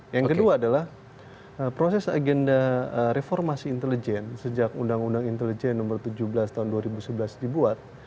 yang kedua adalah proses agenda reformasi intelijen sejak undang undang intelijen nomor tujuh belas tahun dua ribu sebelas dibuat